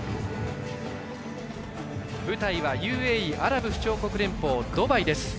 舞台はＵＡＥ＝アラブ首長国連邦ドバイです。